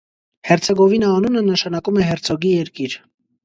Հերցեգովինա անունը նշանակում է «հերցոգի երկիր»։